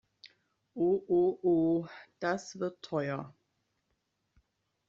Oh oh oh, das wird teuer!